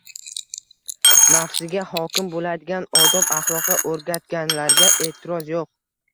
nafsiga hokim bo'ladigan odob-axloqqa o'rgatganlarga e'tiroz yo'q.